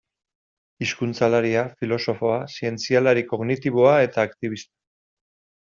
Hizkuntzalaria, filosofoa, zientzialari kognitiboa eta aktibista.